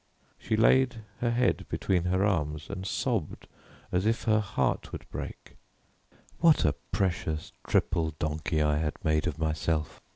She laid her head between her arms, and sobbed as if her heart would break. What a precious triple donkey I had made of myself!